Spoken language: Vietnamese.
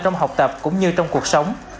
trong học tập cũng như trong cuộc sống